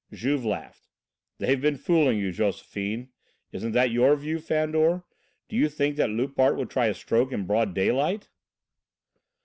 Juve laughed. "They've been fooling you, Josephine. Isn't that your view, Fandor? Do you think that Loupart would try a stroke in broad daylight?"